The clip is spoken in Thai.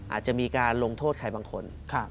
อาจจะมีการลงโทษใครบางคน